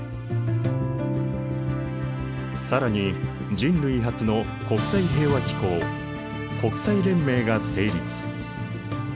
更に人類初の国際平和機構国際連盟が成立。